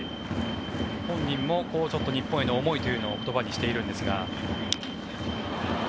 本人も日本への思いを口にしているんですが。